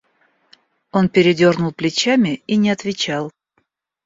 Он передёрнул плечами и не отвечал.